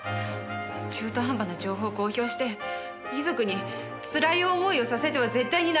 中途半端な情報を公表して遺族につらい思いをさせては絶対にならないって。